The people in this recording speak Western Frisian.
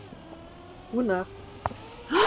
Goenacht